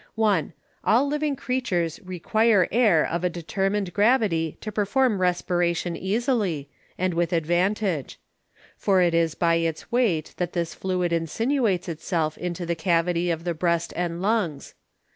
1. All living Creatures require Air of a determined Gravity to perform Respiration easily, and with Advantage; for it is by its weight that this Fluid insinuates it self into the Cavity of the Breast and Lungs.